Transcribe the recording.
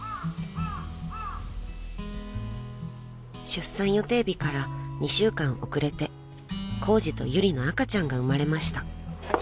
［出産予定日から２週間遅れてコウジとユリの赤ちゃんが生まれました］